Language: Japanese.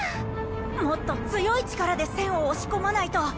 もっと強い力で栓を押し込まないと。